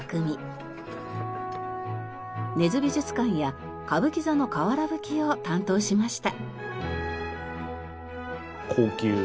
根津美術館や歌舞伎座のかわらぶきを担当しました。